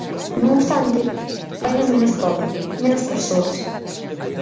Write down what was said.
Non obstante, fainos menos pobo, menos persoas.